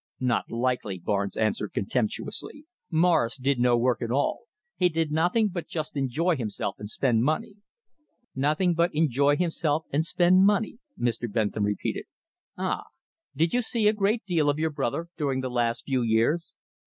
"Not likely," Barnes answered, contemptuously. "Morris did no work at all. He did nothing but just enjoy himself and spend money." "Nothing but enjoy himself and spend money," Mr. Bentham repeated. "Ah! Did you see a great deal of your brother during the last few years?"